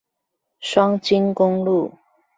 雙菁公路